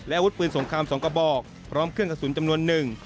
อาวุธปืนสงคราม๒กระบอกพร้อมเครื่องกระสุนจำนวนหนึ่ง